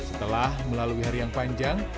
setelah melalui hari yang panjang